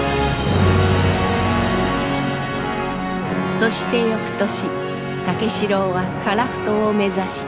そして翌年武四郎は樺太を目指した。